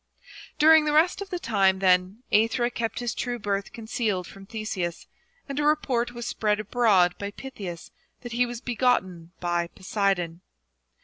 VI. During the rest of the time, then, Aethra kept his true birth concealed from Theseus, and a report was spread abroad by Pittheus that he was begotten by Poseidon.